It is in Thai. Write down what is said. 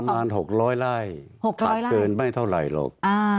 ประมาณหกร้อยร่ายหกร้อยร่ายขาดเกินไม่เท่าไหร่หรอกอ่า